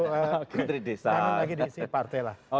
pertanian lagi diisi partai lah